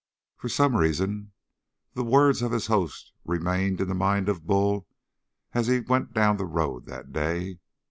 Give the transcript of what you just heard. For some reason the words of his host remained in the mind of Bull as he went down the road that day.